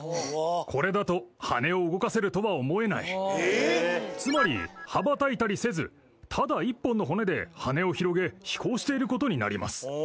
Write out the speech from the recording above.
これだと羽を動かせるとは思えないつまり羽ばたいたりせずただ１本の骨で羽を広げ飛行していることになります